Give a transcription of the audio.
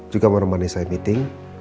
juga menemani saya meeting